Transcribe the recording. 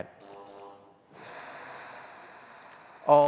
ออกรางวันที่ห้าครั้งที่เจ็ดสิบเจ็ด